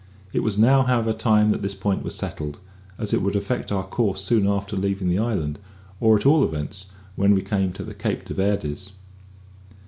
It was now, however, time that this point was settled, as it would affect our course soon after leaving the island, or, at all events, when we came to the Cape de Verdes.